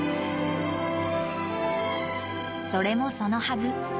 それもそのはず。